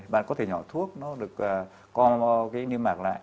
bạn có thể nhỏ thuốc nó được coi cái niêm mạc lại